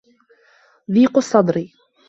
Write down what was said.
ضِيقُ الصَّدْرِ